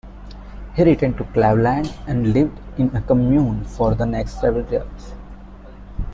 He returned to Cleveland and lived in a commune for the next several years.